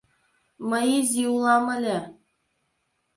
Мый изи улам ыле.